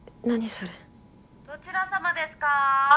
それどちらさまですか？